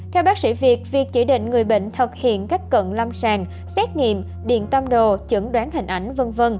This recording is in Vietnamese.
theo bác sĩ việt việc chỉ định người bệnh thực hiện các cận lâm sàng xét nghiệm điện tâm đồ chẩn đoán hình ảnh v v